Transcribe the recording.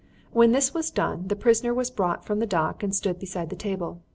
When this was done, the prisoner was brought from the dock and stood beside the table.